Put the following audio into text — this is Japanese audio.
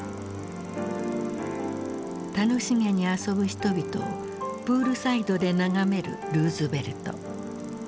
楽しげに遊ぶ人々をプールサイドで眺めるルーズベルト。